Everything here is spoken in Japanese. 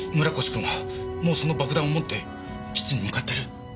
村越君はもうその爆弾を持って基地に向かってる？